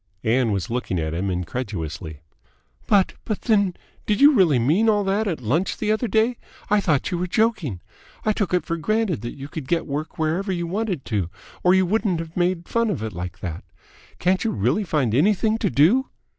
Ann was looking at him incredulously. "But but then, did you really mean all that at lunch the other day? I thought you were joking. I took it for granted that you could get work whenever you wanted to or you wouldn't have made fun of it like that! Can't you really find anything to do?"